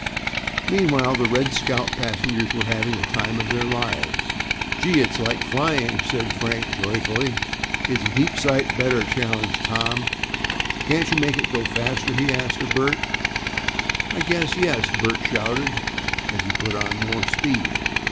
Meanwhile the "Red Scout's" passengers were having the time of their lives. "Gee, it's like flying," said Frank joyfully. "It's a heap sight better," challenged Tom. "Can't you make it go faster?" he asked of Bert. "I guess yes," Bert shouted, as he put on more speed.